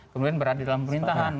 kemudian berada di dalam pemerintahan